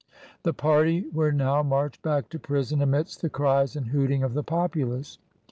The party were now marched back to prison amidst the cries and hooting of the populace.